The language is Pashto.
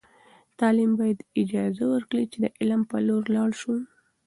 تعلیم باید اجازه ورکړي چې د علم په لور لاړ سو.